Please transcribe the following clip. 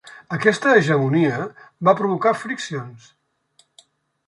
Aquesta hegemonia va provocar friccions.